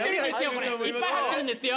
これいっぱい入ってるんですよ